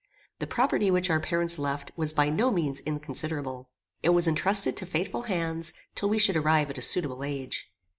The property which our parents left was by no means inconsiderable. It was entrusted to faithful hands, till we should arrive at a suitable age.